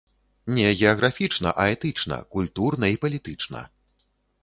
Не геаграфічна, а этычна, культурна і палітычна.